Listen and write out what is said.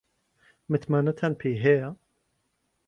متمانەتان پێی هەیە؟